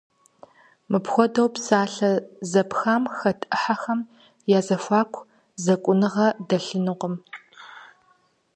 Мыпхуэдэ псалъэ зэпхам хэт ӏыхьэхэм я зэхуаку зэкӏуныгъэ дэлъынукъым.